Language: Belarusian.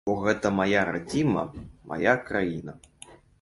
Бо гэта мая радзіма, мая краіна.